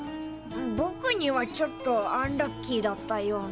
ぼくにはちょっとアンラッキーだったような。